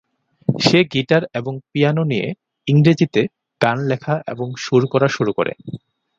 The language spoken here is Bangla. সে গীটার এবং পিয়ানো নিয়ে ইংরেজিতে গান লেখা এবং সুর করা শুরু করে।